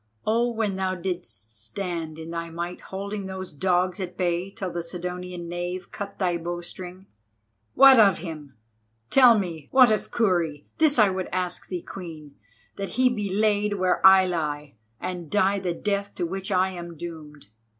Oh, when thou didst stand in thy might holding those dogs at bay till the Sidonian knave cut thy bowstring——" "What of him? Tell me, what of Kurri? This would I ask thee, Queen, that he be laid where I lie, and die the death to which I am doomed."